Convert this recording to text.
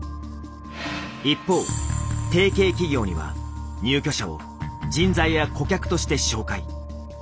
一方提携企業には入居者を人材や顧客として紹介。